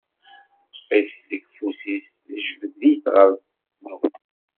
Teṭṭef-it-id deg ufus, tejbed-it ɣer teflukt.